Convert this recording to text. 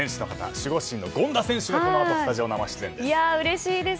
守護神の権田選手がこのあとスタジオ生出演です。